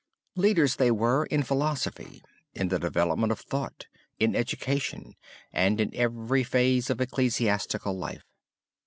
Leaders they were in philosophy, in the development of thought, in education, and in every phase of ecclesiastical life.